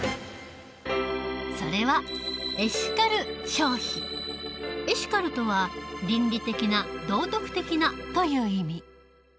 それはエシカルとは「倫理的な」「道徳的な」という意味。